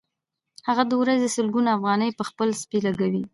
هغه د ورځې سلګونه افغانۍ په خپل سپي لګوي